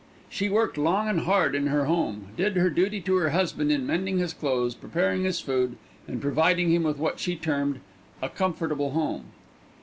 She worked long and hard in her home, did her duty to her husband in mending his clothes, preparing his food, and providing him with what she termed "a comfortable home."